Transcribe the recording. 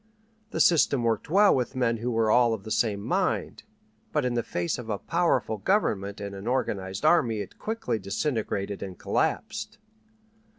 The system worked well with men who were all of the same mind, but in the face of a powerful government and an organized army it quickly disintegrated and collapsed.